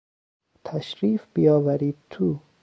تشریف بیاورید تو.